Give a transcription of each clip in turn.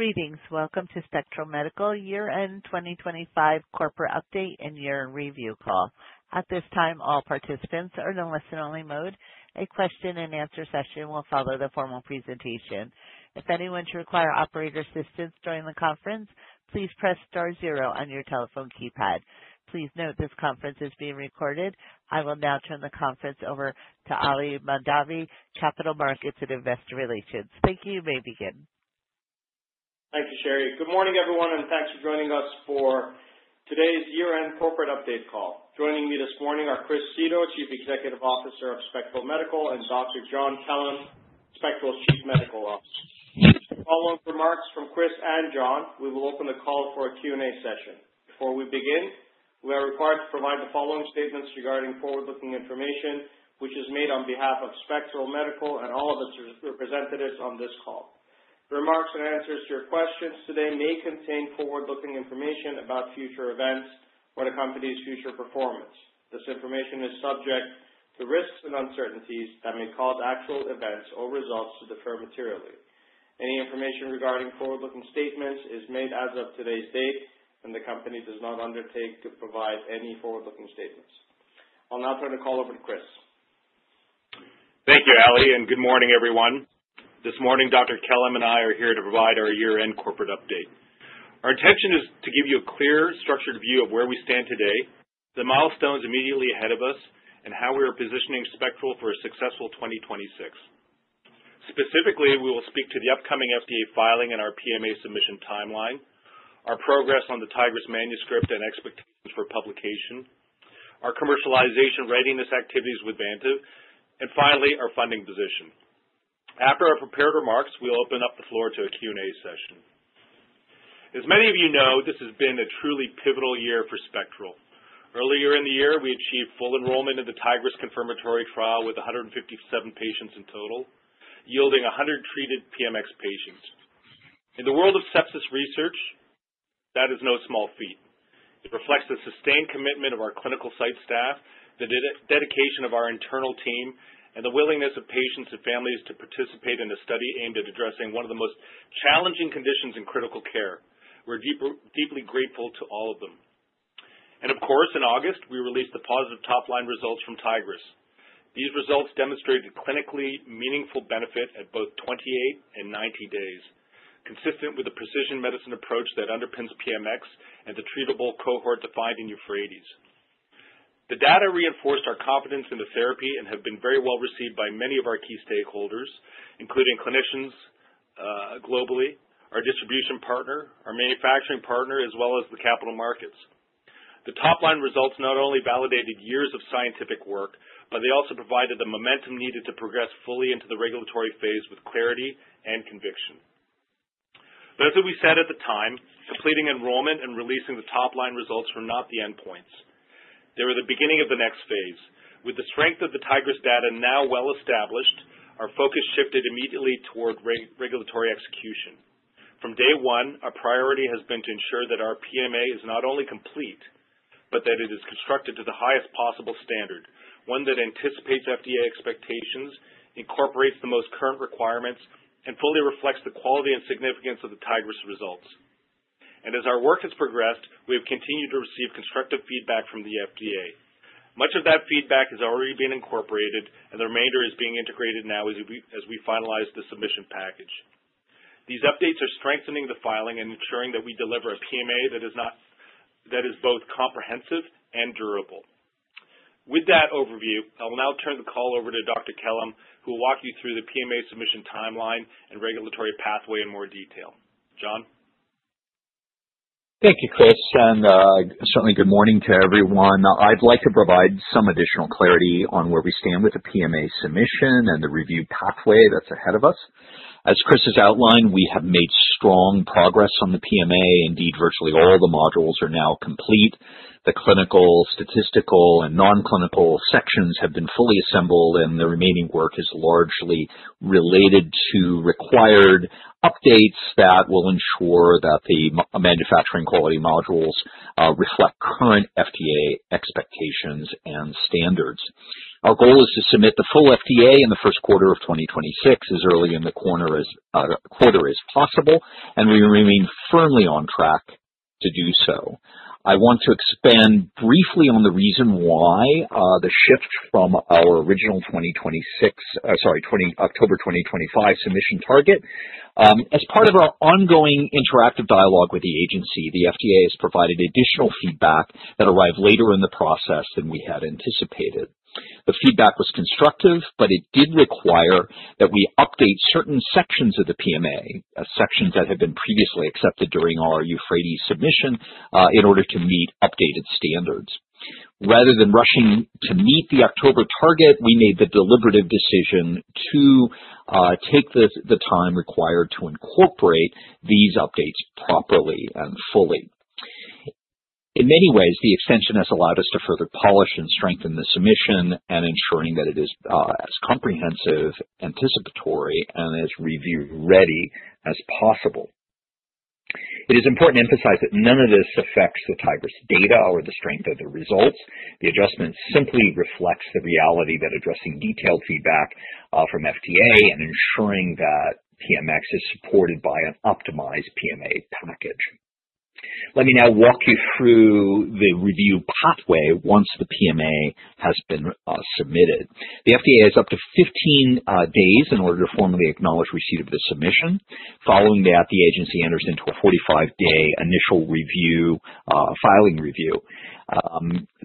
Greetings. Welcome to Spectral Medical year-end 2025 corporate update and year in review call. At this time, all participants are in listen only mode. A question and answer session will follow the formal presentation. If anyone should require operator assistance during the conference, please press star zero on your telephone keypad. Please note this conference is being recorded. I will now turn the conference over to Ali Mahdavi, Capital Markets and Investor Relations. Thank you. You may begin. Thank you, Sherry. Good morning, everyone, and thanks for joining us for today's year-end corporate update call. Joining me this morning are Chris Seto, Chief Executive Officer of Spectral Medical, and Dr. John Kellum, Spectral's Chief Medical Officer. Following remarks from Chris and John, we will open the call for a Q&A session. Before we begin, we are required to provide the following statements regarding forward-looking information, which is made on behalf of Spectral Medical and all of its representatives on this call. The remarks and answers to your questions today may contain forward-looking information about future events or the company's future performance. This information is subject to risks and uncertainties that may cause actual events or results to differ materially. Any information regarding forward-looking statements is made as of today's date, the company does not undertake to provide any forward-looking statements. I'll now turn the call over to Chris. Thank you, Ali, and good morning, everyone. This morning, Dr. Kellum and I are here to provide our year-end corporate update. Our intention is to give you a clear, structured view of where we stand today, the milestones immediately ahead of us, and how we are positioning Spectral for a successful 2026. Specifically, we will speak to the upcoming FDA filing and our PMA submission timeline, our progress on the TIGRIS manuscript and expectations for publication, our commercialization readiness activities with Vantive, and finally, our funding position. After our prepared remarks, we'll open up the floor to a Q&A session. As many of you know, this has been a truly pivotal year for Spectral. Earlier in the year, we achieved full enrollment in the TIGRIS confirmatory trial with 157 patients in total, yielding 100 treated PMX patients. In the world of sepsis research, that is no small feat. It reflects the sustained commitment of our clinical site staff, the dedication of our internal team, and the willingness of patients and families to participate in a study aimed at addressing one of the most challenging conditions in critical care. We're deeply grateful to all of them. Of course, in August, we released the positive top line results from Tigris. These results demonstrated clinically meaningful benefit at both 28 and 90 days, consistent with the precision medicine approach that underpins PMX and the treatable cohort defined in EUPHRATES. The data reinforced our confidence in the therapy and have been very well received by many of our key stakeholders, including clinicians globally, our distribution partner, our manufacturing partner, as well as the capital markets. The top-line results not only validated years of scientific work, but they also provided the momentum needed to progress fully into the regulatory phase with clarity and conviction. As we said at the time, completing enrollment and releasing the top-line results were not the endpoints. They were the beginning of the next phase. With the strength of the Tigris data now well established, our focus shifted immediately toward regulatory execution. From day one, our priority has been to ensure that our PMA is not only complete but that it is constructed to the highest possible standard, one that anticipates FDA expectations, incorporates the most current requirements, and fully reflects the quality and significance of the Tigris results. As our work has progressed, we have continued to receive constructive feedback from the FDA. Much of that feedback has already been incorporated. The remainder is being integrated now as we finalize the submission package. These updates are strengthening the filing and ensuring that we deliver a PMA that is both comprehensive and durable. With that overview, I will now turn the call over to Dr. Kellum, who will walk you through the PMA submission timeline and regulatory pathway in more detail. John? Thank you, Chris, and certainly good morning to everyone. I'd like to provide some additional clarity on where we stand with the PMA submission and the review pathway that's ahead of us. As Chris has outlined, we have made strong progress on the PMA. Indeed, virtually all the modules are now complete. The clinical, statistical, and non-clinical sections have been fully assembled, and the remaining work is largely related to required updates that will ensure that the manufacturing quality modules reflect current FDA expectations and standards. Our goal is to submit the full FDA in the first quarter of 2026 as early in the quarter as possible, and we remain firmly on track to do so. I want to expand briefly on the reason why the shift from our original October 2025 submission target. As part of our ongoing interactive dialogue with the agency, the FDA has provided additional feedback that arrived later in the process than we had anticipated. The feedback was constructive, but it did require that we update certain sections of the PMA, sections that had been previously accepted during our EUPHRATES submission, in order to meet updated standards. Rather than rushing to meet the October target, we made the deliberative decision to take the time required to incorporate these updates properly and fully. In many ways, the extension has allowed us to further polish and strengthen the submission and ensuring that it is as comprehensive, anticipatory, and as review-ready as possible. It is important to emphasize that none of this affects the Tigris data or the strength of the results. The adjustment simply reflects the reality that addressing detailed feedback from FDA and ensuring that PMX is supported by an optimized PMA package. Let me now walk you through the review pathway once the PMA has been submitted. The FDA has up to 15 days in order to formally acknowledge receipt of the submission. Following that, the agency enters into a 45-day initial review, filing review.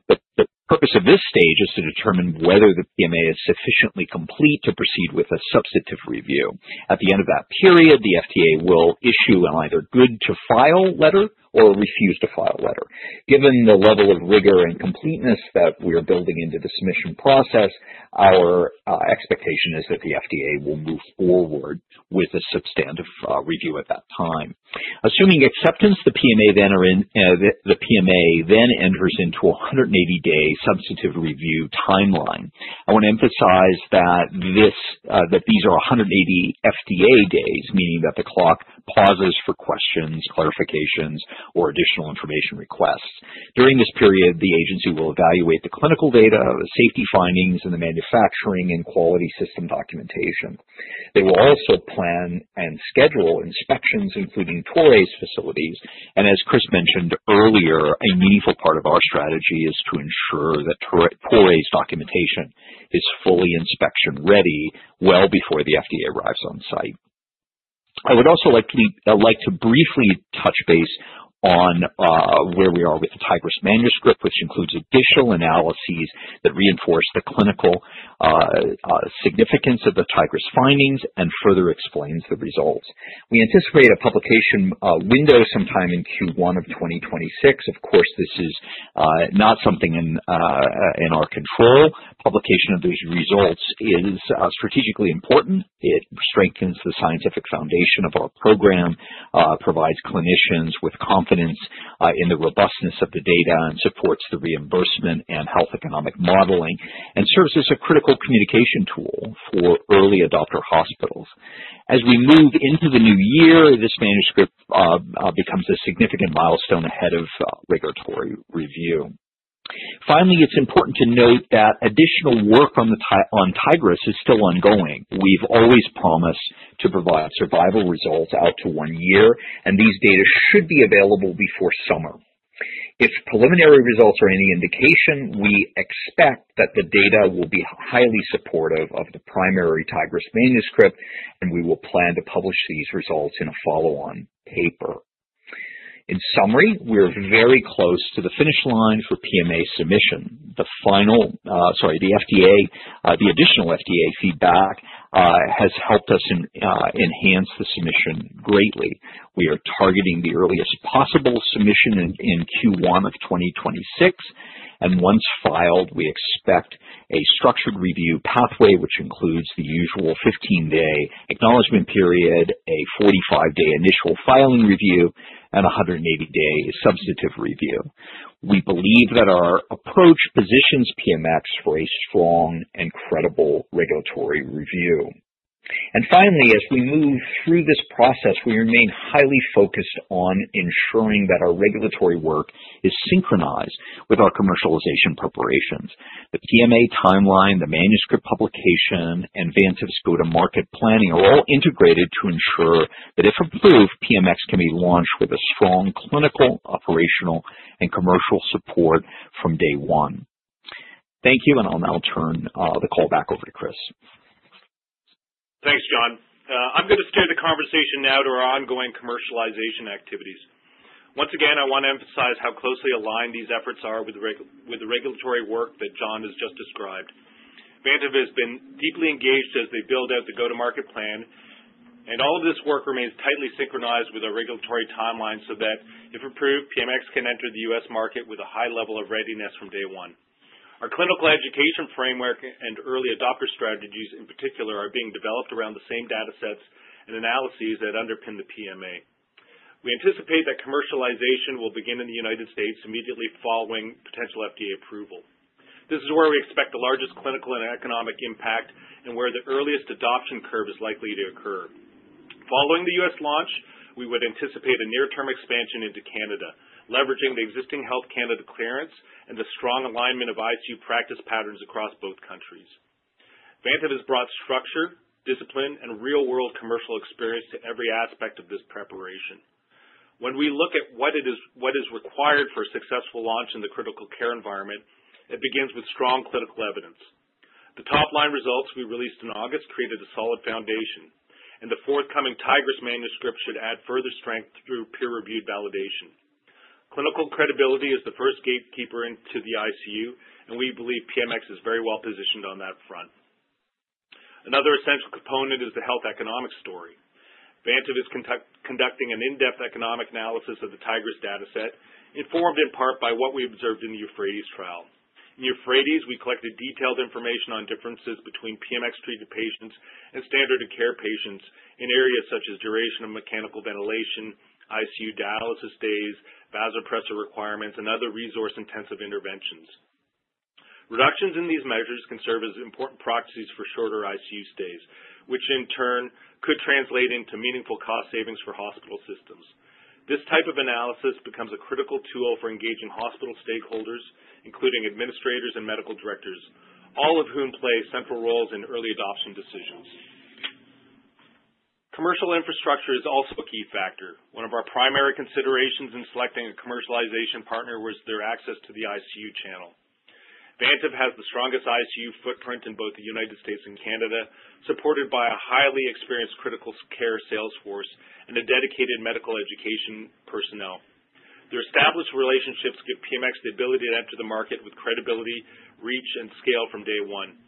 The purpose of this stage is to determine whether the PMA is sufficiently complete to proceed with a substantive review. At the end of that period, the FDA will issue an either good to file letter or a refuse to file letter. Given the level of rigor and completeness that we're building into the submission process, our expectation is that the FDA will move forward with a substantive review at that time. Assuming acceptance, the PMA then enters into a 180-day substantive review timeline. I want to emphasize that these are 180 FDA days, meaning that the clock pauses for questions, clarifications, or additional information requests. During this period, the agency will evaluate the clinical data, the safety findings, and the manufacturing and quality system documentation. They will also plan and schedule inspections, including Toray's facilities. As Chris mentioned earlier, a meaningful part of our strategy is to ensure that Toray's documentation is fully inspection-ready well before the FDA arrives on-site. I would also like to briefly touch base on where we are with the Tigris manuscript, which includes additional analyses that reinforce the clinical significance of the Tigris findings and further explains the results. We anticipate a publication window sometime in Q1 of 2026. Of course, this is not something in our control. Publication of these results is strategically important. It strengthens the scientific foundation of our program, provides clinicians with confidence in the robustness of the data, and supports the reimbursement and health economic modeling, and serves as a critical communication tool for early adopter hospitals. As we move into the new year, this manuscript becomes a significant milestone ahead of regulatory review. Finally, it's important to note that additional work on Tigris is still ongoing. We've always promised to provide survival results out to one year, and these data should be available before summer. If preliminary results are any indication, we expect that the data will be highly supportive of the primary Tigris manuscript, and we will plan to publish these results in a follow-on paper. In summary, we're very close to the finish line for PMA submission. The additional FDA feedback has helped us enhance the submission greatly. We are targeting the earliest possible submission in Q1 of 2026, and once filed, we expect a structured review pathway, which includes the usual 15-day acknowledgment period, a 45-day initial filing review, and 180-day substantive review. We believe that our approach positions PMX for a strong and credible regulatory review. Finally, as we move through this process, we remain highly focused on ensuring that our regulatory work is synchronized with our commercialization preparations. The PMA timeline, the manuscript publication, and Vantive's go-to-market planning are all integrated to ensure that if approved, PMX can be launched with a strong clinical, operational, and commercial support from day one. Thank you. I'll now turn the call back over to Chris. Thanks, John. I'm going to steer the conversation now to our ongoing commercialization activities. Once again, I want to emphasize how closely aligned these efforts are with the regulatory work that John has just described. Vantive has been deeply engaged as they build out the go-to-market plan, and all of this work remains tightly synchronized with our regulatory timeline so that if approved, PMX can enter the U.S. market with a high level of readiness from day one. Our clinical education framework and early adopter strategies, in particular, are being developed around the same data sets and analyses that underpin the PMA. We anticipate that commercialization will begin in the United States immediately following potential FDA approval. This is where we expect the largest clinical and economic impact and where the earliest adoption curve is likely to occur. Following the U.S. launch, we would anticipate a near-term expansion into Canada, leveraging the existing Health Canada clearance and the strong alignment of ICU practice patterns across both countries. Vantive has brought structure, discipline, and real-world commercial experience to every aspect of this preparation. When we look at what is required for a successful launch in the critical care environment, it begins with strong clinical evidence. The top-line results we released in August created a solid foundation, and the forthcoming Tigris manuscript should add further strength through peer-reviewed validation. Clinical credibility is the first gatekeeper into the ICU, and we believe PMX is very well positioned on that front. Another essential component is the health economic story. Vantive is conducting an in-depth economic analysis of the Tigris data set, informed in part by what we observed in the EUPHRATES trial. In EUPHRATES, we collected detailed information on differences between PMX-treated patients and standard of care patients in areas such as duration of mechanical ventilation, ICU dialysis days, vasopressor requirements, and other resource-intensive interventions. Reductions in these measures can serve as important proxies for shorter ICU stays, which in turn could translate into meaningful cost savings for hospital systems. This type of analysis becomes a critical tool for engaging hospital stakeholders, including administrators and medical directors, all of whom play central roles in early adoption decisions. Commercial infrastructure is also a key factor. One of our primary considerations in selecting a commercialization partner was their access to the ICU channel. Vantive has the strongest ICU footprint in both the United States and Canada, supported by a highly experienced critical care sales force and a dedicated medical education personnel. Their established relationships give PMX the ability to enter the market with credibility, reach, and scale from day one.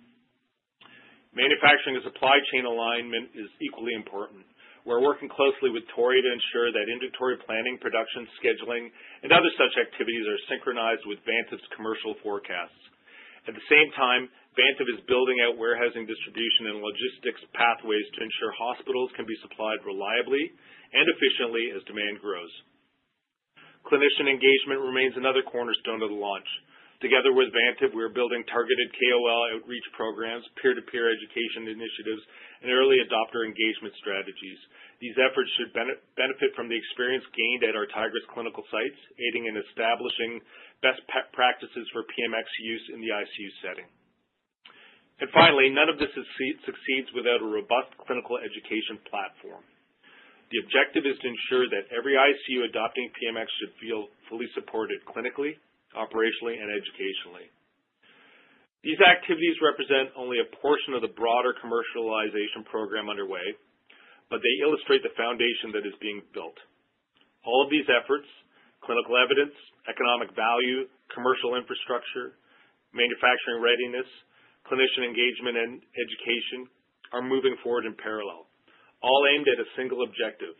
Manufacturing and supply chain alignment is equally important. We're working closely with Toray to ensure that inventory planning, production scheduling, and other such activities are synchronized with Vantive's commercial forecasts. At the same time, Vantive is building out warehousing, distribution, and logistics pathways to ensure hospitals can be supplied reliably and efficiently as demand grows. Clinician engagement remains another cornerstone of the launch. Together with Vantive, we are building targeted KOL outreach programs, peer-to-peer education initiatives, and early adopter engagement strategies. These efforts should benefit from the experience gained at our Tigris clinical sites, aiding in establishing best practices for PMX use in the ICU setting. Finally, none of this succeeds without a robust clinical education platform. The objective is to ensure that every ICU adopting PMX should feel fully supported clinically, operationally, and educationally. These activities represent only a portion of the broader commercialization program underway, but they illustrate the foundation that is being built. All of these efforts, clinical evidence, economic value, commercial infrastructure, manufacturing readiness, clinician engagement, and education are moving forward in parallel, all aimed at a single objective,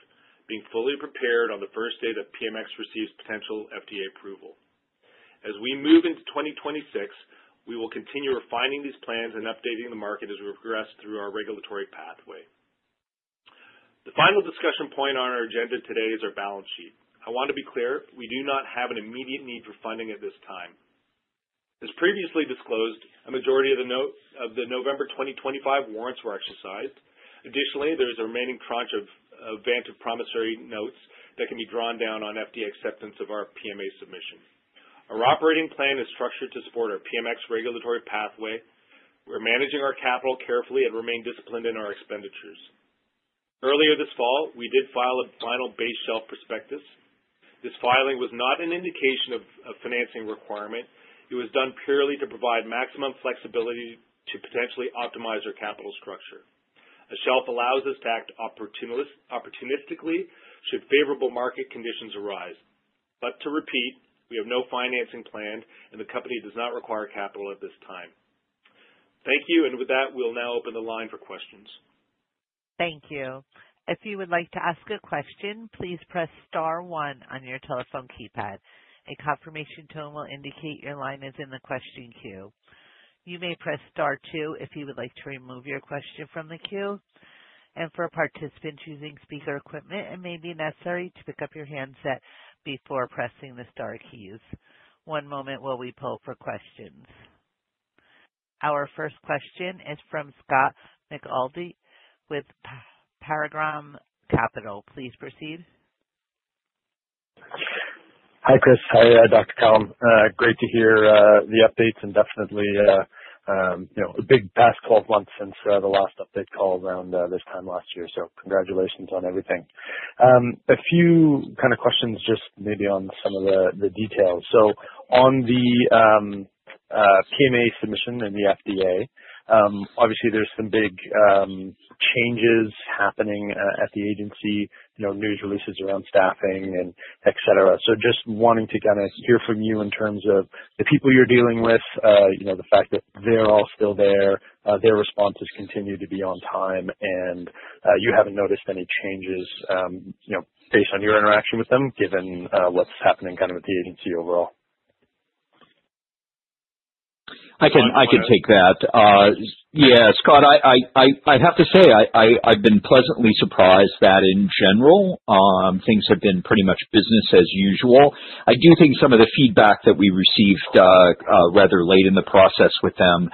being fully prepared on the first day that PMX receives potential FDA approval. As we move into 2026, we will continue refining these plans and updating the market as we progress through our regulatory pathway. The final discussion point on our agenda today is our balance sheet. I want to be clear, we do not have an immediate need for funding at this time. As previously disclosed, a majority of the November 2025 warrants were exercised. Additionally, there's a remaining tranche of Vantive promissory notes that can be drawn down on FDA acceptance of our PMA submission. Our operating plan is structured to support our PMX regulatory pathway. We're managing our capital carefully and remain disciplined in our expenditures. Earlier this fall, we did file a final base shelf prospectus. This filing was not an indication of a financing requirement. It was done purely to provide maximum flexibility to potentially optimize our capital structure. A shelf allows us to act opportunistically should favorable market conditions arise. To repeat, we have no financing plan, and the company does not require capital at this time. Thank you. With that, we'll now open the line for questions. Thank you. If you would like to ask a question, please press star one on your telephone keypad. A confirmation tone will indicate your line is in the question queue. You may press star two if you would like to remove your question from the queue. For a participant using speaker equipment, it may be necessary to pick up your handset before pressing the star keys. One moment while we poll for questions. Our first question is from Scott McAuley with Paradigm Capital. Please proceed. Hi, Chris. Hi, Dr. Kellum. Great to hear the updates and definitely, a big past 12 months since the last update call around this time last year. Congratulations on everything. A few questions just maybe on some of the details. On the PMA submission and the FDA, obviously there's some big changes happening at the agency, news releases around staffing and et cetera. Just wanting to hear from you in terms of the people you're dealing with, the fact that they're all still there, their responses continue to be on time, and you haven't noticed any changes based on your interaction with them, given what's happening at the agency overall? I can take that. Scott, I have to say, I've been pleasantly surprised that in general, things have been pretty much business as usual. I do think some of the feedback that we received rather late in the process with them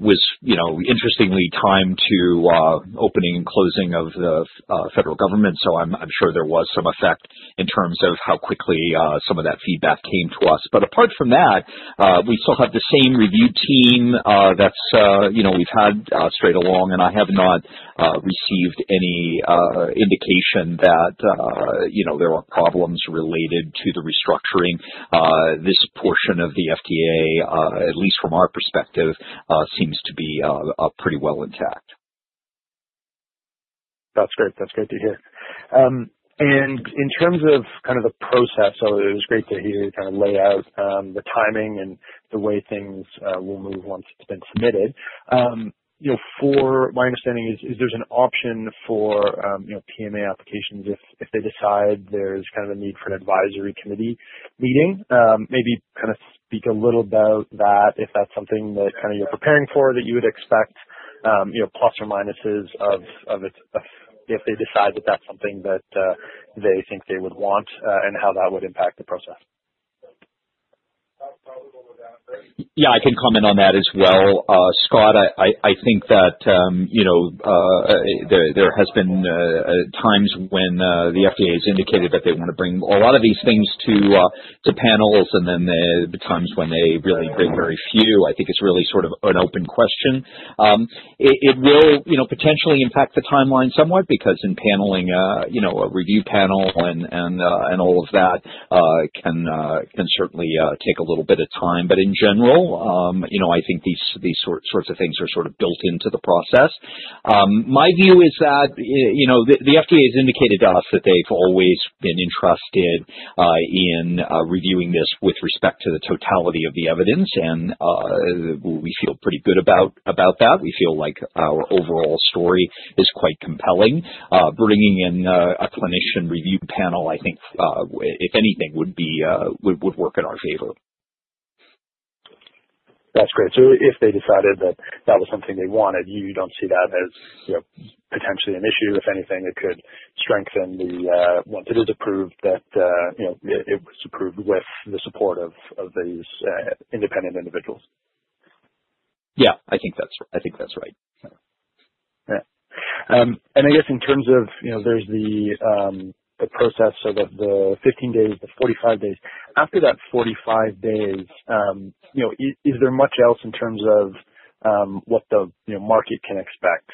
was interestingly timed to opening and closing of the federal government, so I'm sure there was some effect in terms of how quickly some of that feedback came to us. Apart from that, we still have the same review team that we've had straight along, and I have not received any indication that there are problems related to the restructuring. This portion of the FDA, at least from our perspective, seems to be pretty well intact. That's great to hear. In terms of the process, it was great to hear you lay out the timing and the way things will move once it's been submitted. My understanding is there's an option for PMA applications if they decide there's a need for an advisory committee meeting. Maybe speak a little about that, if that's something that you're preparing for, that you would expect, plus or minuses if they decide that that's something that they think they would want and how that would impact the process. Yeah, I can comment on that as well. Scott, I think that there has been times when the FDA has indicated that they want to bring a lot of these things to panels and then the times when they really bring very few. I think it's really sort of an open question. It will potentially impact the timeline somewhat because impaneling, a review panel and all of that can certainly take a little bit of time. In general, I think these sorts of things are sort of built into the process. My view is that the FDA has indicated to us that they've always been interested in reviewing this with respect to the totality of the evidence. We feel pretty good about that. We feel like our overall story is quite compelling. Bringing in a clinician review panel, I think, if anything, would work in our favor. That's great. If they decided that that was something they wanted, you don't see that as potentially an issue? If anything, it could strengthen the, once it is approved, that it was approved with the support of these independent individuals. Yeah, I think that's right. I guess in terms of, there's the process of the 15 days, the 45 days. After that 45 days, is there much else in terms of what the market can expect?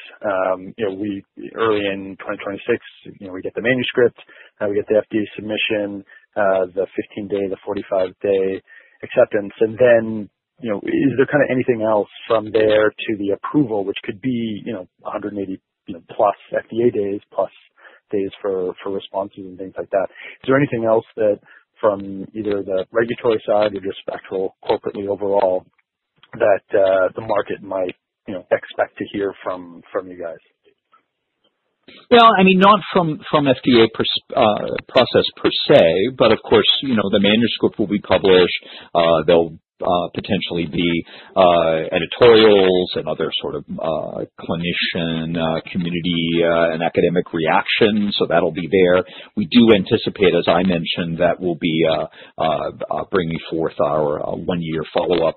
Early in 2026, we get the manuscript, we get the FDA submission, the 15-day, the 45-day acceptance, and then is there anything else from there to the approval, which could be 180+ FDA days plus days for responses and things like that. Is there anything else that from either the regulatory side or just Spectral corporately overall that the market might expect to hear from you guys? Yeah, I mean, not from FDA process per se, but of course, the manuscript will be published. There'll potentially be editorials and other sort of clinician community and academic reactions. That'll be there. We do anticipate, as I mentioned, that we'll be bringing forth our one-year follow-up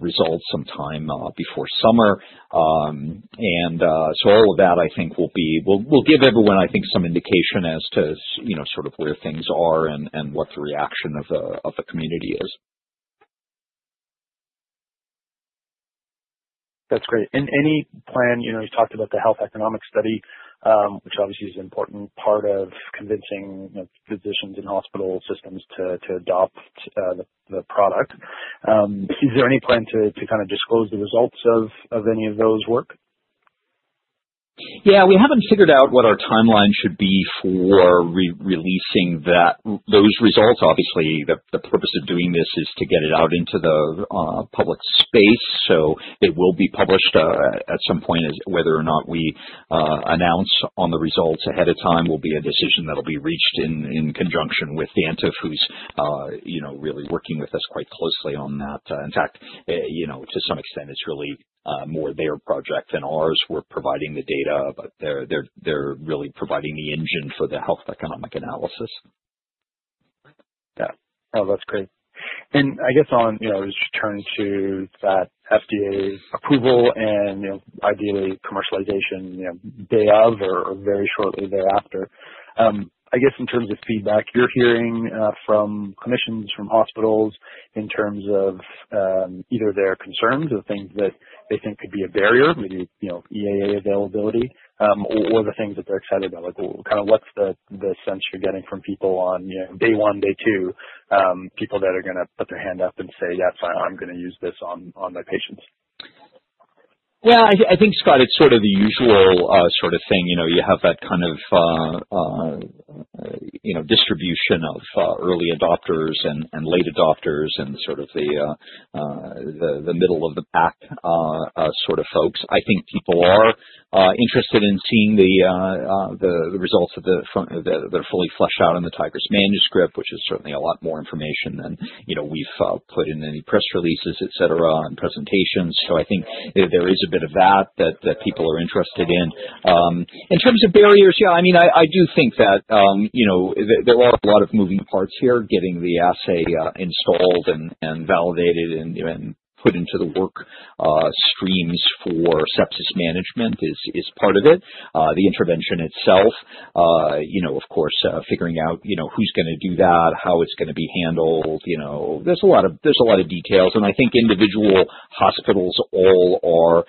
results sometime before summer. All of that, I think. We'll give everyone, I think, some indication as to sort of where things are and what the reaction of the community is. That's great. You talked about the health economic study, which obviously is an important part of convincing physicians and hospital systems to adopt the product. Is there any plan to disclose the results of any of those work? Yeah, we haven't figured out what our timeline should be for releasing those results. Obviously, the purpose of doing this is to get it out into the public space. It will be published at some point. Whether or not we announce on the results ahead of time will be a decision that will be reached in conjunction with Vantive, who's really working with us quite closely on that. In fact, to some extent, it's really more their project than ours. We're providing the data, but they're really providing the engine for the health economic analysis. Yeah. No, that's great. I guess on just turning to that FDA's approval and ideally commercialization day of or very shortly thereafter, I guess in terms of feedback you're hearing from clinicians, from hospitals in terms of either their concerns or things that they think could be a barrier, maybe EAA availability or the things that they're excited about. What's the sense you're getting from people on day one, day two, people that are going to put their hand up and say, Yeah, fine, I'm going to use this on my patients. Yeah, I think, Scott, it's sort of the usual sort of thing. You have that kind of distribution of early adopters and late adopters and sort of the middle of the pack sort of folks. I think people are interested in seeing the results that are fully fleshed out in the Tigris manuscript, which is certainly a lot more information than we've put in any press releases, et cetera, and presentations. I think there is a bit of that that people are interested in. In terms of barriers, yeah, I do think that there are a lot of moving parts here. Getting the assay installed and validated and put into the work streams for sepsis management is part of it. The intervention itself, of course, figuring out who's going to do that, how it's going to be handled. There's a lot of details, and I think individual hospitals all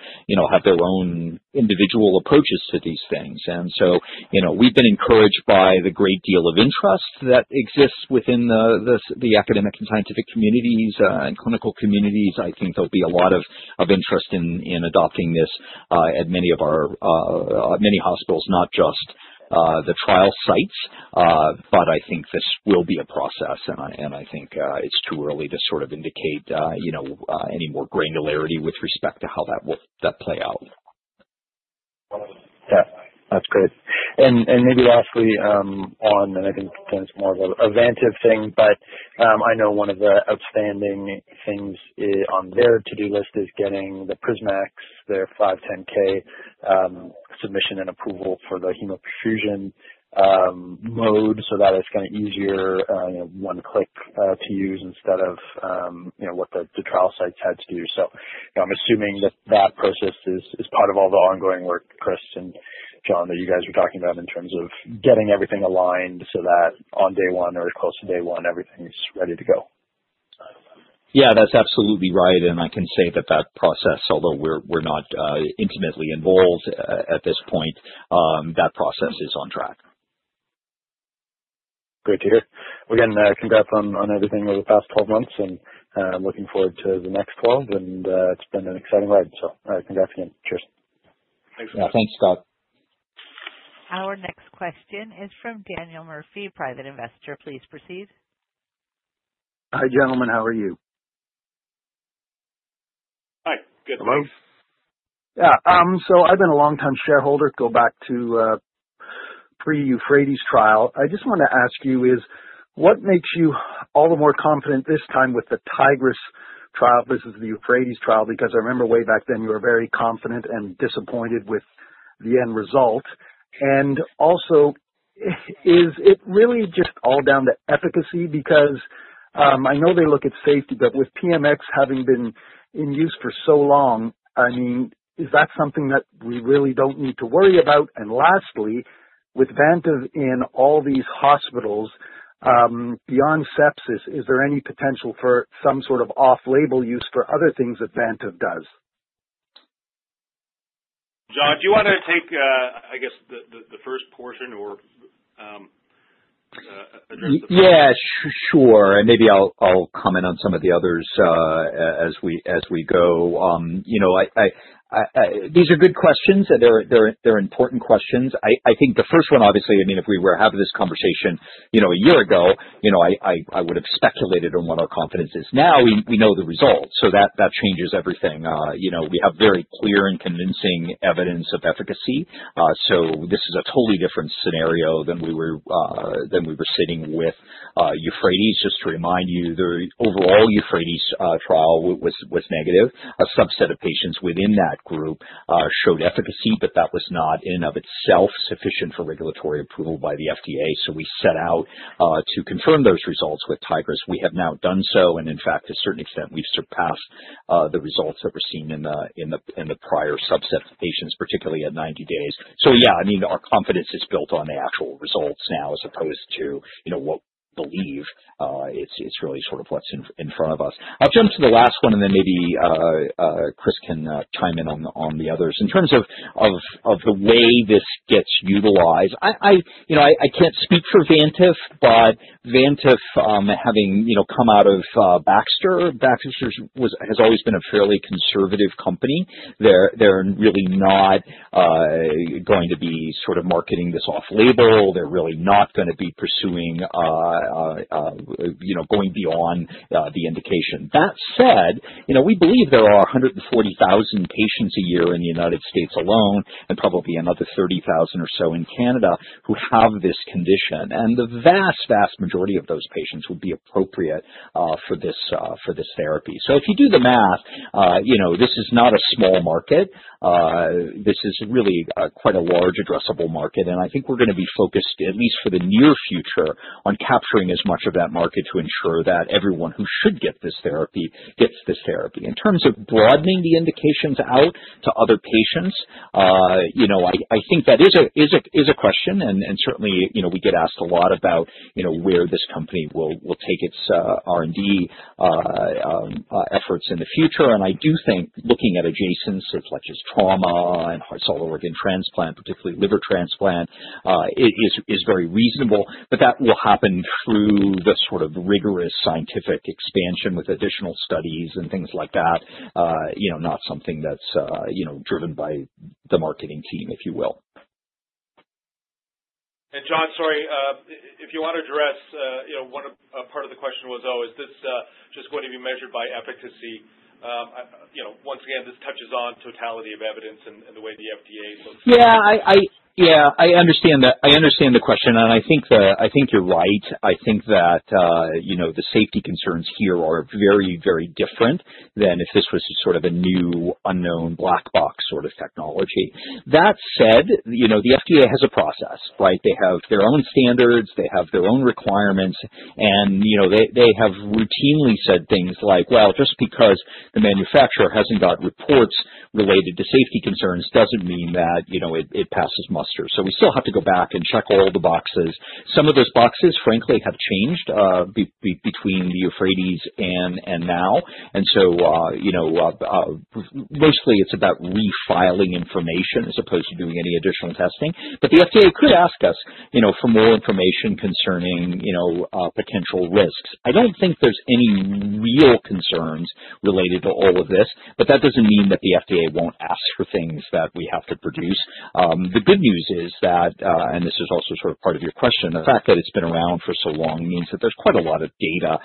have their own individual approaches to these things. We've been encouraged by the great deal of interest that exists within the academic and scientific communities and clinical communities. I think there'll be a lot of interest in adopting this at many hospitals, not just the trial sites. I think this will be a process, and I think it's too early to sort of indicate any more granularity with respect to how that will play out. Yeah. That's great. Maybe lastly on, I think this is more of a Vantive thing, but I know one of the outstanding things on their to-do list is getting the PrisMax, their 510(k) submission and approval for the hemoperfusion mode so that it's kind of easier, one click to use instead of what the trial sites had to do. I'm assuming that process is part of all the ongoing work, Chris and John, that you guys were talking about in terms of getting everything aligned so that on day one or as close to day one, everything's ready to go. Yeah, that's absolutely right. I can say that that process, although we're not intimately involved at this point, that process is on track. Great to hear. Congrats on everything over the past 12 months, and looking forward to the next 12. It's been an exciting ride. Congrats again. Cheers. Thanks. Yeah. Thanks, Scott. Our next question is from Daniel Murphy, private investor. Please proceed. Hi, gentlemen. How are you? Hi. Good. Hello. Yeah. I've been a longtime shareholder, go back to pre-EUPHRATES trial. I just want to ask you is, what makes you all the more confident this time with the Tigris trial versus the EUPHRATES trial? I remember way back then you were very confident and disappointed with the end result. Also, is it really just all down to efficacy? I know they look at safety, but with PMX having been in use for so long, is that something that we really don't need to worry about? Lastly, with Vantive in all these hospitals, beyond sepsis, is there any potential for some sort of off-label use for other things that Vantive does? John, do you want to take, I guess the first portion or address the. Yeah, sure. Maybe I'll comment on some of the others as we go. These are good questions. They're important questions. I think the first one, obviously, if we were having this conversation a year ago, I would have speculated on what our confidence is. Now we know the results, so that changes everything. We have very clear and convincing evidence of efficacy. This is a totally different scenario than we were sitting with EUPHRATES. Just to remind you, the overall EUPHRATES trial was negative. A subset of patients within that group showed efficacy, but that was not in and of itself sufficient for regulatory approval by the FDA. We set out to confirm those results with Tigris. We have now done so, and in fact, to a certain extent, we've surpassed the results that were seen in the prior subset of patients, particularly at 90 days. Yeah, our confidence is built on the actual results now as opposed to what we believe. It's really sort of what's in front of us. I'll jump to the last one and then maybe Chris can chime in on the others. In terms of the way this gets utilized, I can't speak for Vantive, but Vantive having come out of Baxter. Baxter has always been a fairly conservative company. They're really not going to be sort of marketing this off label. They're really not going to be pursuing going beyond the indication. That said, we believe there are 140,000 patients a year in the United States alone and probably another 30,000 or so in Canada who have this condition. The vast majority of those patients would be appropriate for this therapy. If you do the math, this is not a small market. This is really quite a large addressable market. I think we're going to be focused, at least for the near future, on capturing as much of that market to ensure that everyone who should get this therapy gets this therapy. In terms of broadening the indications out to other patients, I think that is a question. Certainly, we get asked a lot about where this company will take its R&D efforts in the future. I do think looking at adjacencies such as trauma and heart, solid organ transplant, particularly liver transplant, is very reasonable. That will happen through the sort of rigorous scientific expansion with additional studies and things like that. Not something that's driven by the marketing team, if you will. John, sorry. If you want to address one part of the question was, is this just going to be measured by efficacy? Once again, this touches on totality of evidence and the way the FDA looks. Yeah. I understand the question, and I think you're right. I think that the safety concerns here are very different than if this was sort of a new unknown black box sort of technology. That said, the FDA has a process, right? They have their own standards. They have their own requirements. They have routinely said things like, well, just because the manufacturer hasn't got reports related to safety concerns doesn't mean that it passes muster. We still have to go back and check all the boxes. Some of those boxes, frankly, have changed between the EUPHRATES and now. Mostly it's about refiling information as opposed to doing any additional testing. The FDA could ask us for more information concerning potential risks. I don't think there's any real concerns related to all of this, but that doesn't mean that the FDA won't ask for things that we have to produce. The good news is that, and this is also sort of part of your question, the fact that it's been around for so long means that there's quite a lot of data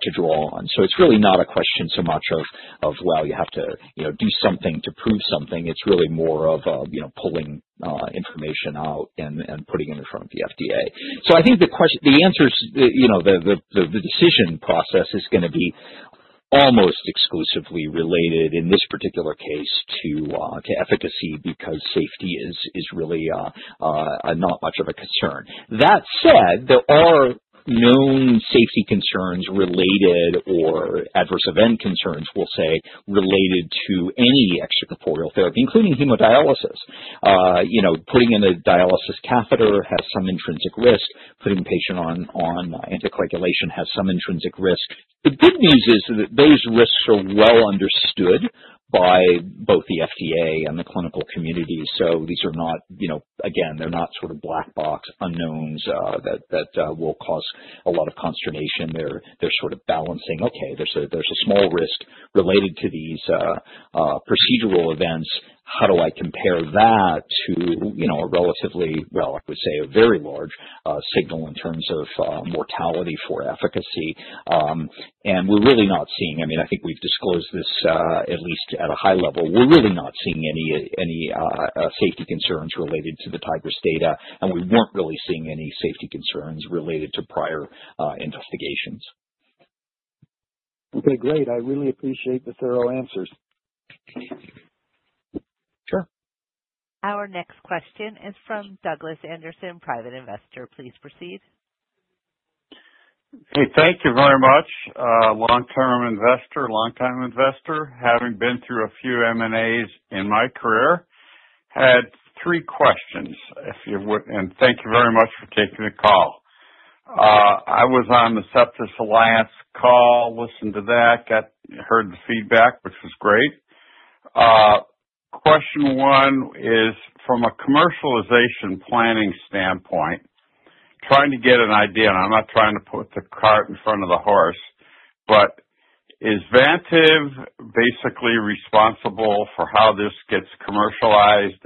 to draw on. It's really not a question so much of, well, you have to do something to prove something. It's really more of pulling information out and putting it in front of the FDA. I think the decision process is going to be almost exclusively related, in this particular case, to efficacy because safety is really not much of a concern. That said, there are known safety concerns related, or adverse event concerns we'll say, related to any extracorporeal therapy, including hemodialysis. Putting in a dialysis catheter has some intrinsic risk. Putting a patient on anticoagulation has some intrinsic risk. The good news is that those risks are well understood by both the FDA and the clinical community. These are not, again, they're not sort of black box unknowns that will cause a lot of consternation. They're sort of balancing, okay, there's a small risk related to these procedural events. How do I compare that to a relatively, well, I would say, a very large signal in terms of mortality for efficacy? We're really not seeing I think we've disclosed this, at least at a high level. We're really not seeing any safety concerns related to the Tigris data, and we weren't really seeing any safety concerns related to prior investigations. Okay, great. I really appreciate the thorough answers. Sure. Our next question is from Douglas Anderson, private investor. Please proceed. Okay, thank you very much. Long-term investor, long-time investor, having been through a few M&As in my career, had three questions, if you would. Thank you very much for taking the call. I was on the Sepsis Alliance call, listened to that, heard the feedback, which was great. Question one is from a commercialization planning standpoint, trying to get an idea. I'm not trying to put the cart in front of the horse, is Vantive basically responsible for how this gets commercialized?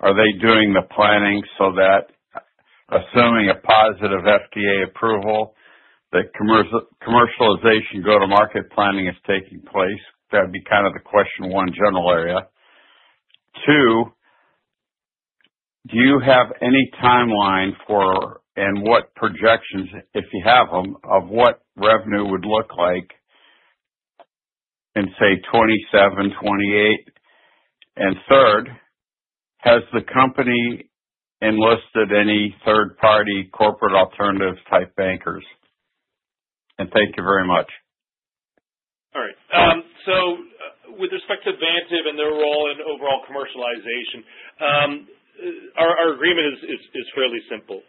Are they doing the planning so that assuming a positive FDA approval, the commercialization go-to-market planning is taking place? That'd be kind of the question one general area. Two, do you have any timeline for, what projections, if you have them, of what revenue would look like in, say, 2027, 2028? Third, has the company enlisted any third-party corporate alternative-type bankers? Thank you very much. All right. With respect to Vantive and their role in overall commercialization, our agreement is fairly simple.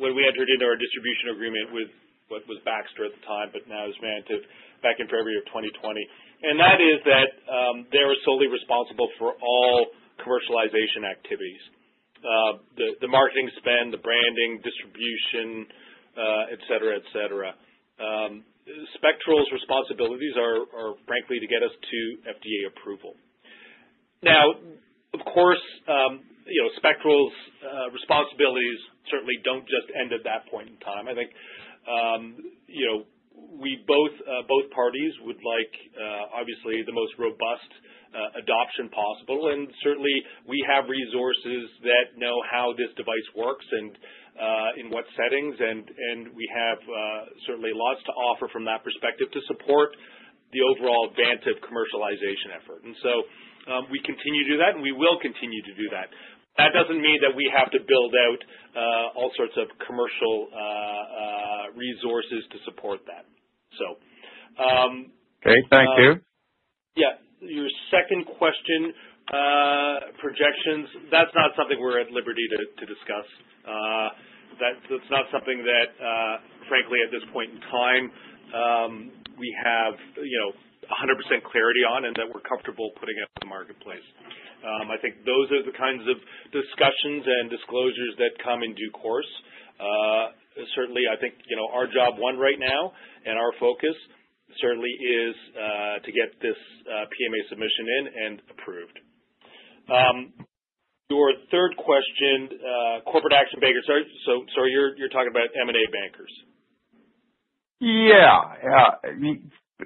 We entered into our distribution agreement with what was Baxter at the time, but now is Vantive, back in February of 2020. That is that they are solely responsible for all commercialization activities, the marketing spend, the branding, distribution, et cetera. Spectral's responsibilities are, frankly, to get us to FDA approval. Of course, Spectral's responsibilities certainly don't just end at that point in time. I think both parties would like, obviously, the most robust adoption possible. Certainly, we have resources that know how this device works and in what settings, and we have certainly lots to offer from that perspective to support the overall Vantive commercialization effort. We continue to do that, and we will continue to do that. That doesn't mean that we have to build out all sorts of commercial resources to support that. Okay. Thank you. Yeah. Your second question, projections, that's not something we're at liberty to discuss. That's not something that, frankly, at this point in time, we have 100% clarity on and that we're comfortable putting out in the marketplace. I think those are the kinds of discussions and disclosures that come in due course. Certainly, I think, our job one right now and our focus certainly is to get this PMA submission in and approved. Your third question, corporate action bankers. You're talking about M&A bankers. Yeah.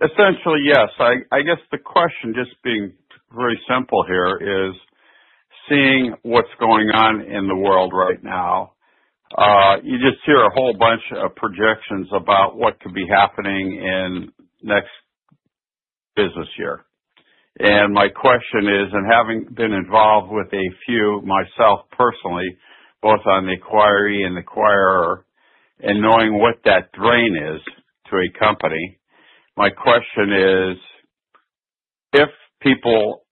Essentially, yes. I guess the question, just being very simple here, is seeing what's going on in the world right now. You just hear a whole bunch of projections about what could be happening in next business year. My question is, and having been involved with a few myself personally, both on the acquiree and the acquirer, and knowing what that drain is to a company, my question is, if people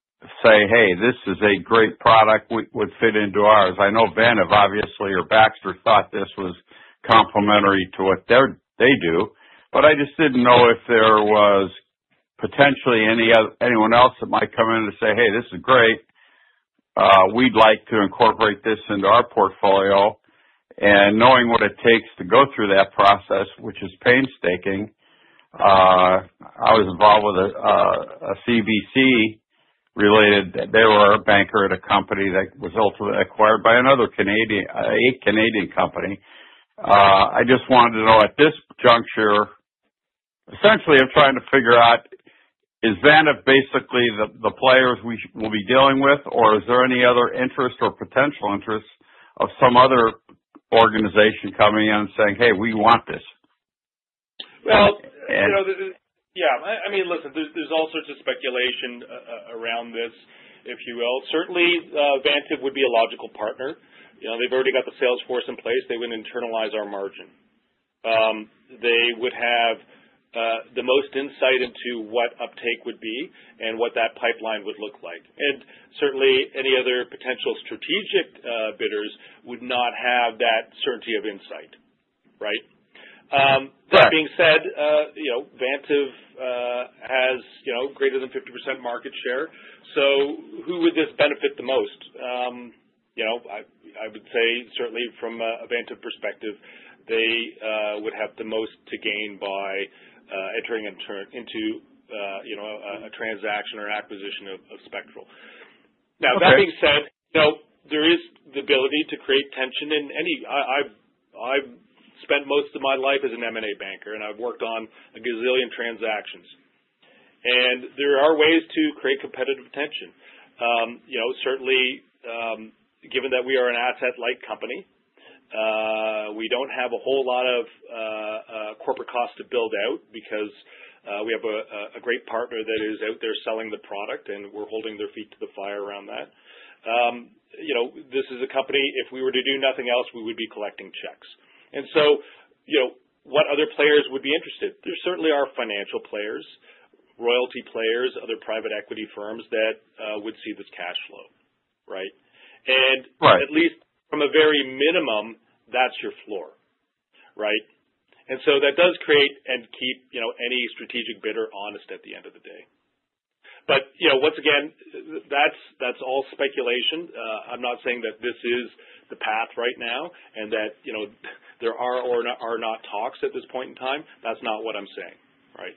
say, Hey, this is a great product, would fit into ours. I know Vantive, obviously, or Baxter thought this was complementary to what they do. I just didn't know if there was potentially anyone else that might come in and say, Hey, this is great. We'd like to incorporate this into our portfolio. Knowing what it takes to go through that process, which is painstaking. I was involved with a CVC-related, they were a banker at a company that was ultimately acquired by another Canadian, a Canadian company. I just wanted to know at this juncture, essentially I'm trying to figure out, is Vantive basically the players we will be dealing with, or is there any other interest or potential interest of some other organization coming in and saying, Hey, we want this? Well. And- Yeah. Listen, there's all sorts of speculation around this, if you will. Certainly, Vantive would be a logical partner. They've already got the sales force in place. They would internalize our margin. They would have the most insight into what uptake would be and what that pipeline would look like. Certainly, any other potential strategic bidders would not have that certainty of insight. Right? Right. That being said, Vantive has greater than 50% market share. Who would this benefit the most? I would say certainly from a Vantive perspective, they would have the most to gain by entering into a transaction or acquisition of Spectral. Okay. That being said, there is the ability to create tension in any I've spent most of my life as an M&A banker, and I've worked on a gazillion transactions. There are ways to create competitive tension. Certainly, given that we are an asset-light company, we don't have a whole lot of corporate cost to build out because we have a great partner that is out there selling the product, and we're holding their feet to the fire around that. This is a company, if we were to do nothing else, we would be collecting checks. What other players would be interested? There certainly are financial players, royalty players, other private equity firms that would see this cash flow. Right? Right. At least from a very minimum, that's your floor. Right. That does create and keep any strategic bidder honest at the end of the day. Once again, that's all speculation. I'm not saying that this is the path right now and that there are or are not talks at this point in time. That's not what I'm saying. Right.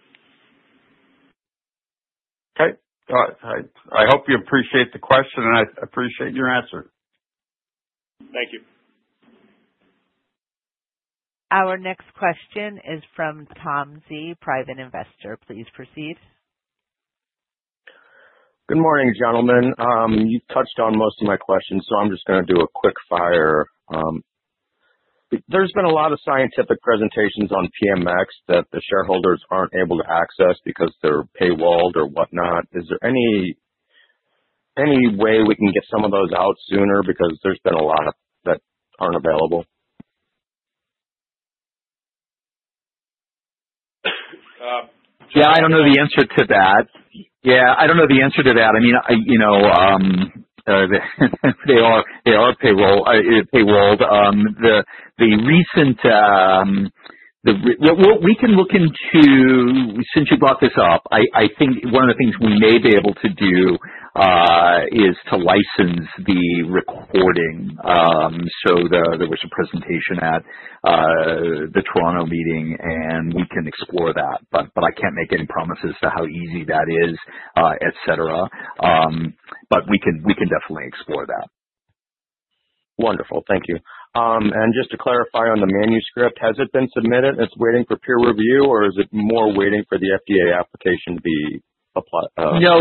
Okay. All right. I hope you appreciate the question, and I appreciate your answer. Thank you. Our next question is from Tom Xi, private investor. Please proceed. Good morning, gentlemen. You've touched on most of my questions. I'm just going to do a quick-fire. There's been a lot of scientific presentations on PMX that the shareholders aren't able to access because they're paywalled or whatnot. Is there any way we can get some of those out sooner? There's been a lot that aren't available. Yeah, I don't know the answer to that. They are paywalled. Since you brought this up, I think one of the things we may be able to do is to license the recording. There was a presentation at the Toronto meeting, and we can explore that. I can't make any promises to how easy that is, et cetera. We can definitely explore that. Wonderful. Thank you. Just to clarify on the manuscript, has it been submitted and it's waiting for peer review, or is it more waiting for the FDA application to be applied? No,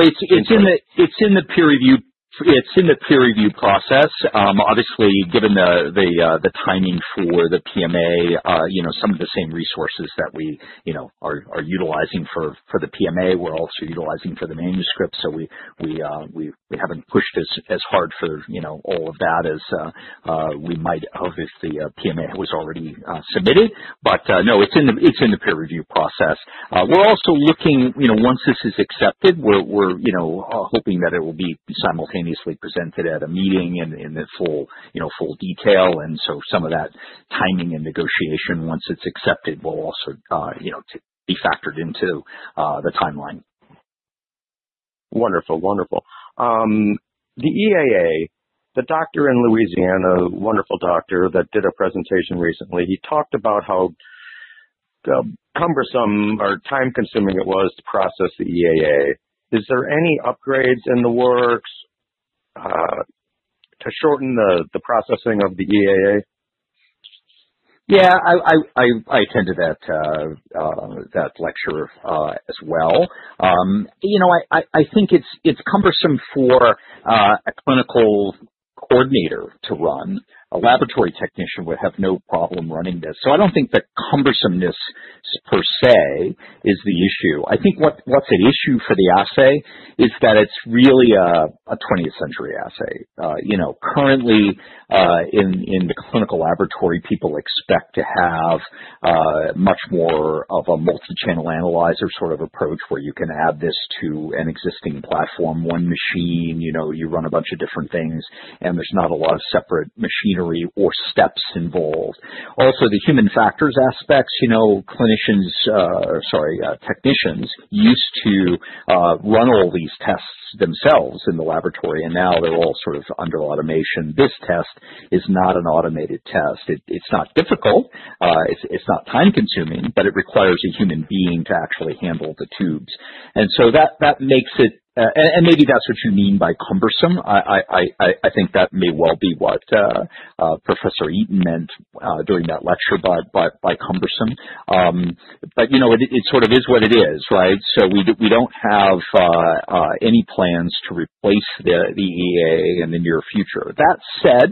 it's in the peer review process. Obviously, given the timing for the PMA, some of the same resources that we are utilizing for the PMA, we're also utilizing for the manuscript. We haven't pushed as hard for all of that as we might obviously if PMA was already submitted. No, it's in the peer review process. We're also looking, once this is accepted we're hoping that it will be simultaneously presented at a meeting in full detail, and so some of that timing and negotiation once it's accepted will also be factored into the timeline. Wonderful. The EAA, the doctor in Louisiana, wonderful doctor that did a presentation recently, he talked about how cumbersome or time-consuming it was to process the EAA. Is there any upgrades in the works to shorten the processing of the EAA? Yeah, I attended that lecture as well. I think it's cumbersome for a clinical coordinator to run. A laboratory technician would have no problem running this. I don't think the cumbersomeness per se is the issue. I think what's an issue for the assay is that it's really a 20th century assay. Currently in the clinical laboratory, people expect to have much more of a multi-channel analyzer sort of approach where you can add this to an existing platform. One machine, you run a bunch of different things, and there's not a lot of separate machinery or steps involved. Also, the human factors aspects, clinicians, sorry, technicians used to run all these tests themselves in the laboratory, and now they're all sort of under automation. This test Is not an automated test. It's not difficult, it's not time-consuming, but it requires a human being to actually handle the tubes. Maybe that's what you mean by cumbersome. I think that may well be what Professor Eaton meant during that lecture by cumbersome. It sort of is what it is, right? We don't have any plans to replace the EAA in the near future. That said,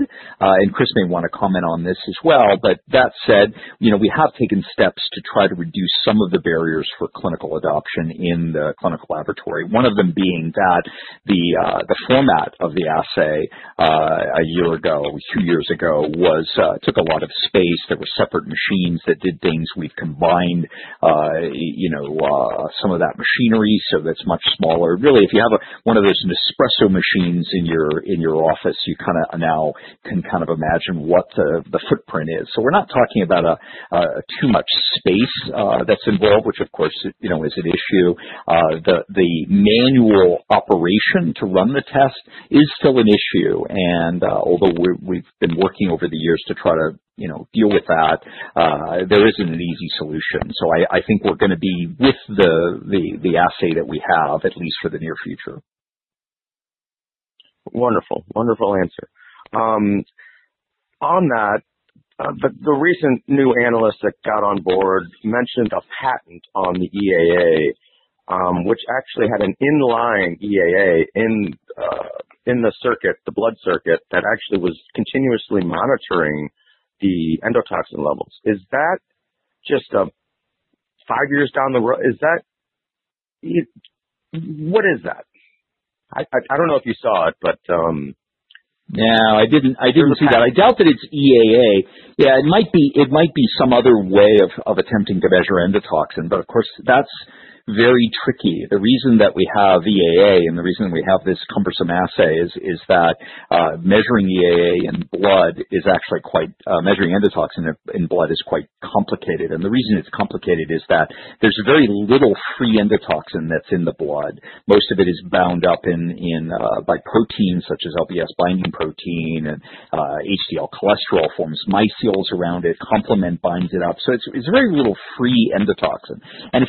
Chris may want to comment on this as well, but that said, we have taken steps to try to reduce some of the barriers for clinical adoption in the clinical laboratory. One of them being that the format of the assay a year ago, two years ago, took a lot of space. There were separate machines that did things. We've combined some of that machinery, so that's much smaller. Really, if you have one of those Nespresso machines in your office, you kind of now can imagine what the footprint is. We're not talking about too much space that's involved, which of course, is an issue. The manual operation to run the test is still an issue. Although we've been working over the years to try to deal with that, there isn't an easy solution. I think we're going to be with the assay that we have, at least for the near future. Wonderful. Wonderful answer. On that, the recent new analyst that got on board mentioned a patent on the EAA, which actually had an inline EAA in the circuit, the blood circuit, that actually was continuously monitoring the endotoxin levels. Is that just a five years down the road? What is that? I don't know if you saw it. No, I didn't see that. I doubt that it's EAA. Yeah, it might be some other way of attempting to measure endotoxin, of course, that's very tricky. The reason that we have EAA, the reason we have this cumbersome assay is that measuring endotoxin in blood is quite complicated. The reason it's complicated is that there's very little free endotoxin that's in the blood. Most of it is bound up by proteins such as LPS binding protein and HDL cholesterol forms micelles around it, complement binds it up. It's very little free endotoxin.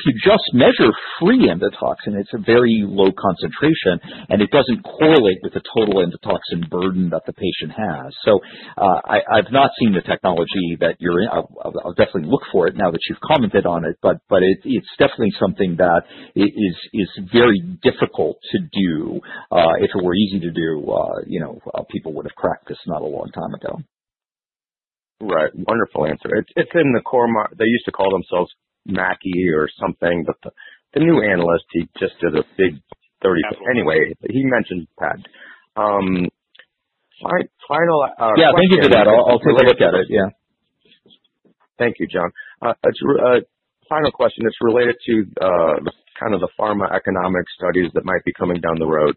If you just measure free endotoxin, it's a very low concentration, it doesn't correlate with the total endotoxin burden that the patient has. I've not seen the technology. I'll definitely look for it now that you've commented on it's definitely something that is very difficult to do. If it were easy to do, people would've cracked this not a long time ago. Right. Wonderful answer. They used to call themselves Mackie or something, but the new analyst, he just did a big 30. Anyway, he mentioned patent. My final question. Yeah, thank you for that. I'll take a look at it. Yeah. Thank you, John. Final question is related to the kind of the pharmacoeconomic studies that might be coming down the road.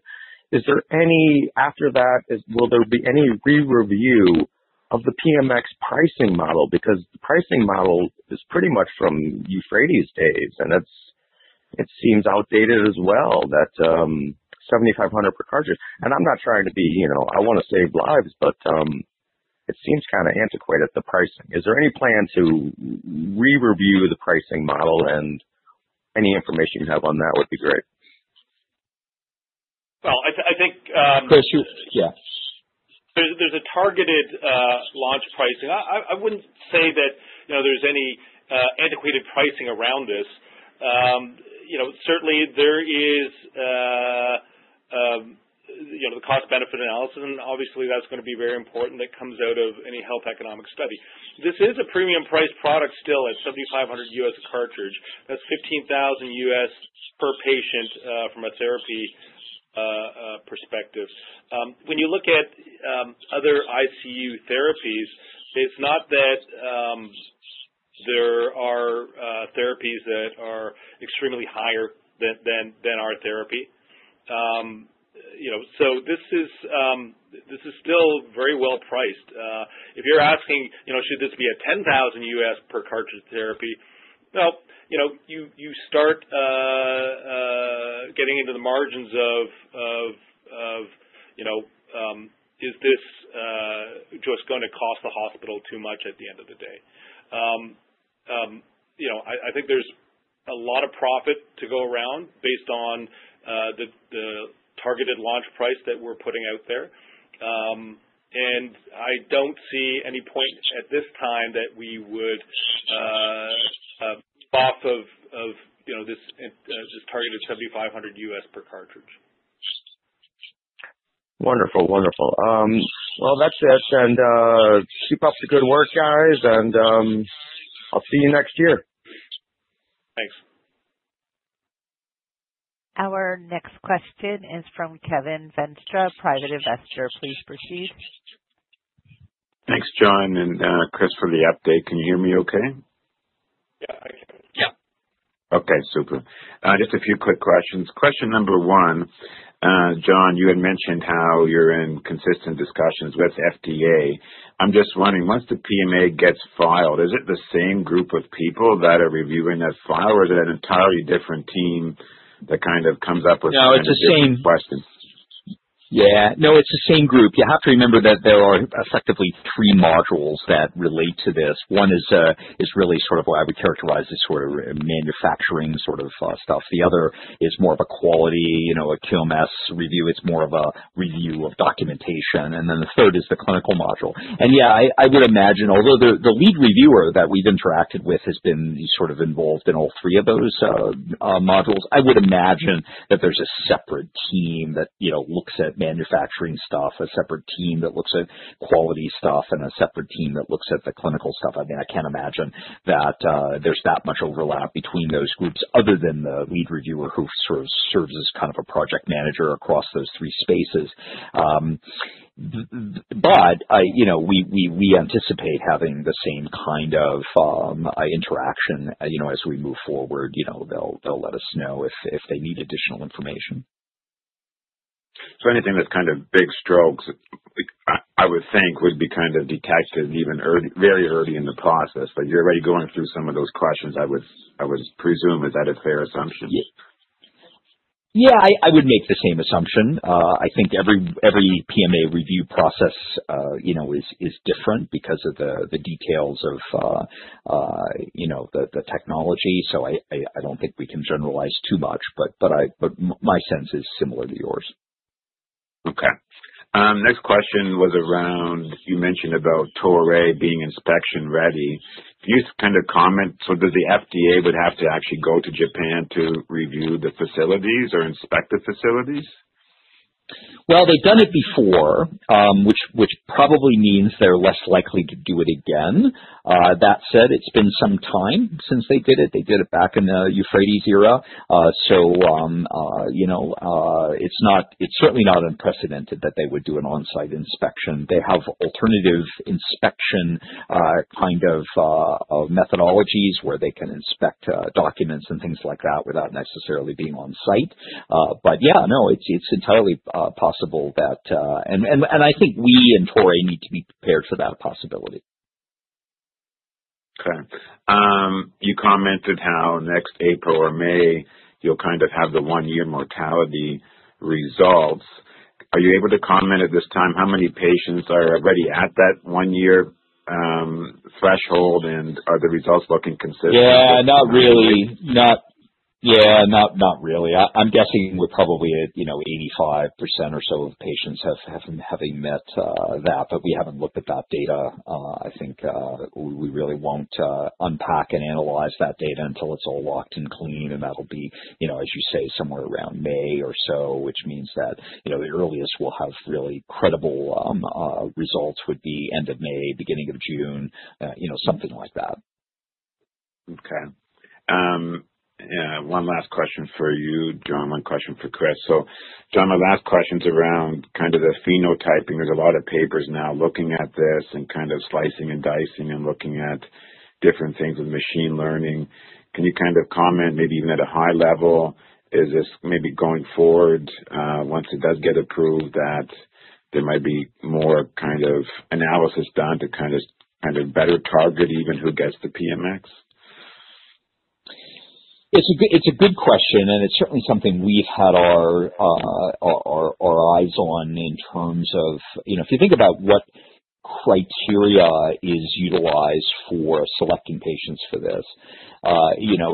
After that, will there be any re-review of the PMX pricing model? Because the pricing model is pretty much from EUPHRATES days, and it seems outdated as well, that $7,500 per cartridge. I want to save lives, but it seems kind of antiquated, the pricing. Is there any plan to re-review the pricing model? Any information you have on that would be great. Well, I think- Chris. There's a targeted launch pricing. I wouldn't say that there's any antiquated pricing around this. Certainly, there is the cost-benefit analysis, and obviously that's going to be very important that comes out of any health economic study. This is a premium price product still at $7,500 a cartridge. That's $15,000 per patient, from a therapy perspective. When you look at other ICU therapies, it's not that there are therapies that are extremely higher than our therapy. This is still very well priced. If you're asking, should this be a $10,000 per cartridge therapy, well, you start getting into the margins of, is this just going to cost the hospital too much at the end of the day? I think there's a lot of profit to go around based on the targeted launch price that we're putting out there. I don't see any point at this time that we would off of this targeted $7,500 per cartridge. Wonderful. Well, that's it. Keep up the good work, guys. I'll see you next year. Thanks. Our next question is from Kevin Ventura, private investor. Please proceed. Thanks, John and Chris, for the update. Can you hear me okay? Yeah, I can. Yeah. Okay, super. Just a few quick questions. Question number one, John, you had mentioned how you're in consistent discussions with FDA. I'm just wondering, once the PMA gets filed, is it the same group of people that are reviewing that file, or is it an entirely different team? That kind of comes up with kind of different questions. Yeah. No, it's the same group. You have to remember that there are effectively three modules that relate to this. One is really sort of what I would characterize as sort of manufacturing sort of stuff. The other is more of a quality, a QMS review. It's more of a review of documentation. Then the third is the clinical module. Yeah, I would imagine, although the lead reviewer that we've interacted with has been sort of involved in all three of those modules, I would imagine that there's a separate team that looks at manufacturing stuff, a separate team that looks at quality stuff, and a separate team that looks at the clinical stuff. I mean, I can't imagine that there's that much overlap between those groups other than the lead reviewer who sort of serves as kind of a project manager across those three spaces. We anticipate having the same kind of interaction as we move forward. They'll let us know if they need additional information. Anything that's kind of big strokes, I would think would be kind of detected even very early in the process. You're already going through some of those questions, I would presume. Is that a fair assumption? Yeah, I would make the same assumption. I think every PMA review process is different because of the details of the technology. I don't think we can generalize too much, but my sense is similar to yours. Okay. Next question was around, you mentioned about Toray being inspection ready. Can you kind of comment, so that the FDA would have to actually go to Japan to review the facilities or inspect the facilities? They've done it before, which probably means they're less likely to do it again. It's been some time since they did it. They did it back in the EUPHRATES era. It's certainly not unprecedented that they would do an on-site inspection. They have alternative inspection kind of methodologies where they can inspect documents and things like that without necessarily being on site. Yeah, no, it's entirely possible. I think we and Toray need to be prepared for that possibility. Okay. You commented how next April or May, you'll kind of have the one-year mortality results. Are you able to comment at this time how many patients are already at that one-year threshold, and are the results looking consistent with? Yeah, not really. I'm guessing we're probably at 85% or so of patients having met that, but we haven't looked at that data. I think we really won't unpack and analyze that data until it's all locked and clean, and that'll be, as you say, somewhere around May or so, which means that the earliest we'll have really credible results would be end of May, beginning of June, something like that. Okay. One last question for you, John. One question for Chris. John, my last question's around kind of the phenotyping. There's a lot of papers now looking at this and kind of slicing and dicing and looking at different things with machine learning. Can you kind of comment maybe even at a high level, is this maybe going forward, once it does get approved, that there might be more kind of analysis done to kind of better target even who gets the PMX? It's a good question, and it's certainly something we had our eyes on in terms of, if you think about what criteria is utilized for selecting patients for this,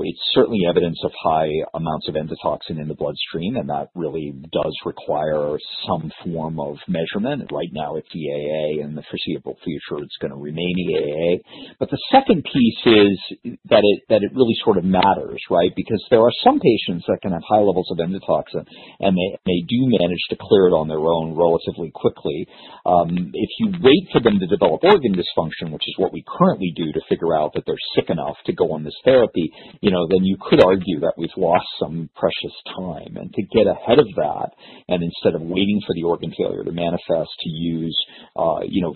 it's certainly evidence of high amounts of endotoxin in the bloodstream, and that really does require some form of measurement. Right now, it's the EAA. In the foreseeable future, it's going to remain the EAA. The second piece is that it really sort of matters, right? Because there are some patients that can have high levels of endotoxin, and they do manage to clear it on their own relatively quickly. If you wait for them to develop organ dysfunction, which is what we currently do to figure out that they're sick enough to go on this therapy, then you could argue that we've lost some precious time. To get ahead of that, instead of waiting for the organ failure to manifest, to use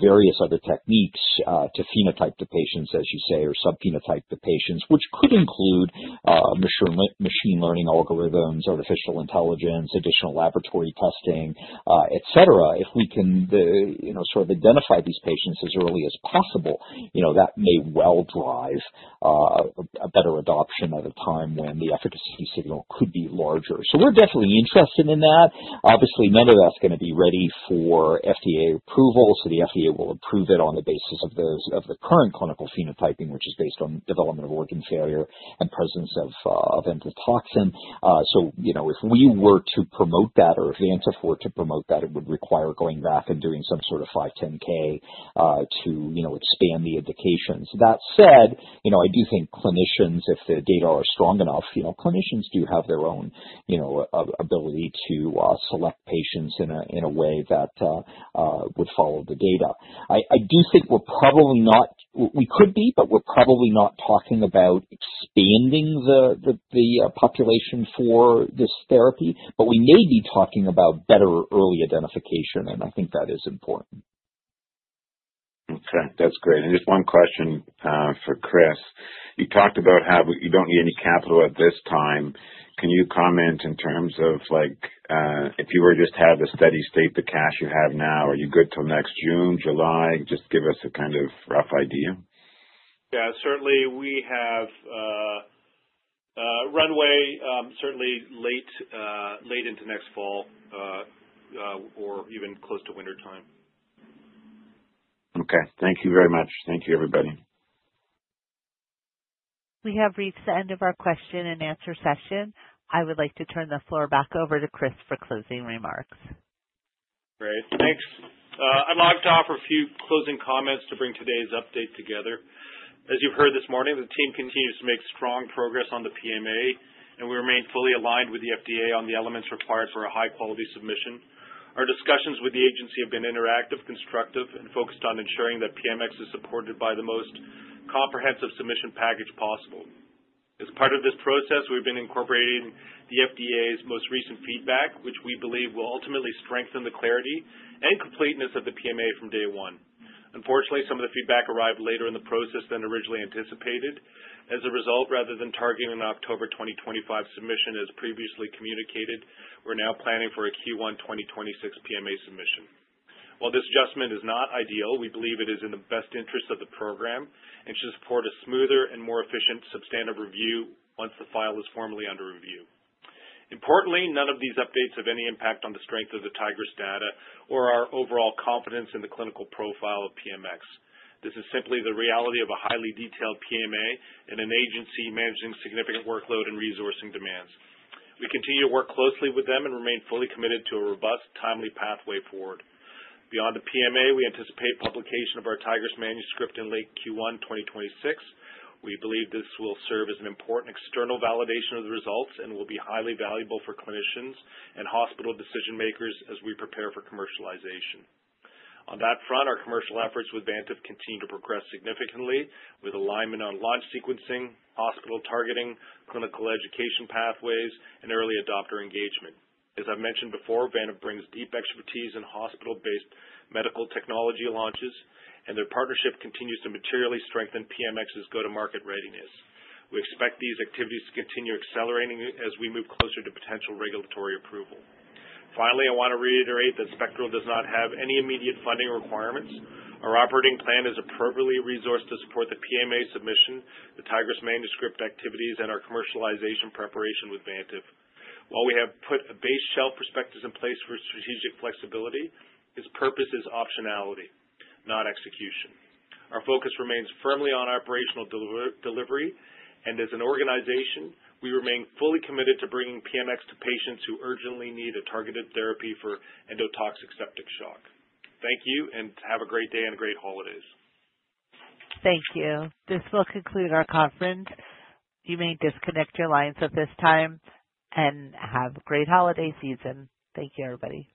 various other techniques to phenotype the patients, as you say, or subphenotype the patients, which could include machine learning algorithms, artificial intelligence, additional laboratory testing, et cetera. If we can sort of identify these patients as early as possible, that may well drive a better adoption at a time when the efficacy signal could be larger. We are definitely interested in that. Obviously, none of that is going to be ready for FDA approval. The FDA will approve it on the basis of the current clinical phenotyping, which is based on development of organ failure and presence of endotoxin. If we were to promote that, or if Vantive to promote that, it would require going back and doing some sort of 510(k), to expand the indications. I do think clinicians, if the data are strong enough, clinicians do have their own ability to select patients in a way that would follow the data. I do think we could be, but we're probably not talking about expanding the population for this therapy, but we may be talking about better early identification, and I think that is important. Okay. That's great. Just one question for Chris. You talked about how you don't need any capital at this time. Can you comment in terms of, if you were just to have the steady state, the cash you have now, are you good till next June, July? Just give us a kind of rough idea. Certainly we have runway certainly late into next fall or even close to wintertime. Okay. Thank you very much. Thank you, everybody. We have reached the end of our question and answer session. I would like to turn the floor back over to Chris for closing remarks. Great. Thanks. I'd like to offer a few closing comments to bring today's update together. As you heard this morning, the team continues to make strong progress on the PMA, and we remain fully aligned with the FDA on the elements required for a high-quality submission. Our discussions with the agency have been interactive, constructive, and focused on ensuring that PMX is supported by the most comprehensive submission package possible. As part of this process, we've been incorporating the FDA's most recent feedback, which we believe will ultimately strengthen the clarity and completeness of the PMA from day one. Unfortunately, some of the feedback arrived later in the process than originally anticipated. As a result, rather than targeting an October 2025 submission as previously communicated, we're now planning for a Q1 2026 PMA submission. While this adjustment is not ideal, we believe it is in the best interest of the program and should support a smoother and more efficient substantive review once the file is formally under review. Importantly, none of these updates have any impact on the strength of the Tigris data or our overall confidence in the clinical profile of PMX. This is simply the reality of a highly detailed PMA and an agency managing significant workload and resourcing demands. We continue to work closely with them and remain fully committed to a robust, timely pathway forward. Beyond the PMA, we anticipate publication of our Tigris manuscript in late Q1 2026. We believe this will serve as an important external validation of the results and will be highly valuable for clinicians and hospital decision-makers as we prepare for commercialization. On that front, our commercial efforts with Vantive continue to progress significantly, with alignment on launch sequencing, hospital targeting, clinical education pathways, and early adopter engagement. As I mentioned before, Vantive brings deep expertise in hospital-based medical technology launches, and their partnership continues to materially strengthen PMX's go-to-market readiness. We expect these activities to continue accelerating as we move closer to potential regulatory approval. Finally, I want to reiterate that Spectral does not have any immediate funding requirements. Our operating plan is appropriately resourced to support the PMA submission, the Tigris manuscript activities, and our commercialization preparation with Vantive. While we have put a base shelf prospectus in place for strategic flexibility, its purpose is optionality, not execution. Our focus remains firmly on operational delivery, and as an organization, we remain fully committed to bringing PMX to patients who urgently need a targeted therapy for endotoxic septic shock. Thank you. Have a great day and great holidays. Thank you. This will conclude our conference. You may disconnect your lines at this time, and have a great holiday season. Thank you, everybody.